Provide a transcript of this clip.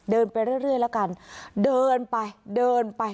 เดินไปเรื่อยแล้วกันเดินไปเดินไป